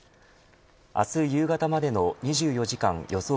明日夕方までの２４時間予想